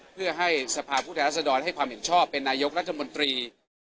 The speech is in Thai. เพื่อให้สภาพผู้แทนรัศดรให้ความเห็นชอบเป็นนายกรัฐมนตรี